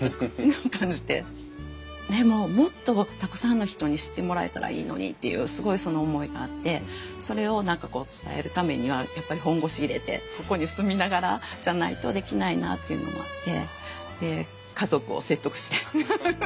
でももっとたくさんの人に知ってもらえたらいいのにっていうすごいその思いがあってそれを何かこう伝えるためにはやっぱり本腰入れてここに住みながらじゃないとできないなというのもあってで家族を説得して。